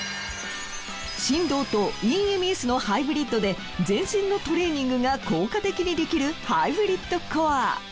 振動とＥＭＳのハイブリッドで全身のトレーニングが効果的にできるハイブリッドコア。